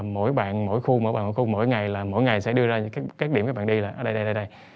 mỗi bạn mỗi khu mỗi ngày sẽ đưa ra các điểm các bạn đi là ở đây đây đây đây